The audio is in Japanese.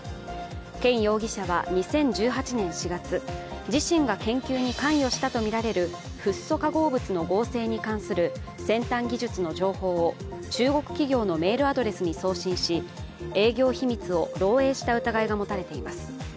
健容疑者は２０１８年４月、自身が研究に関与したとみられるフッ素化合物の合成に関する先端技術の情報を中国企業のメールアドレスに送信し営業秘密を漏えいした疑いが持たれています。